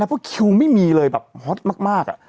เพราะว่าคิวไม่มีเลยแบบมากมากอ่ะ